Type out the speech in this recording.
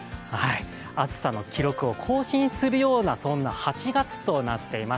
暑さの記録を更新するようなそんな８月となっています。